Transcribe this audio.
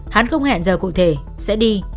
hắn không hẹn giờ cụ thể sẽ đi